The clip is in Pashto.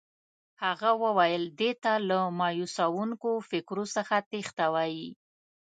هغه وویل دې ته له مایوسوونکو فکرو څخه تېښته وایي.